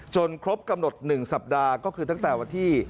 ครบกำหนด๑สัปดาห์ก็คือตั้งแต่วันที่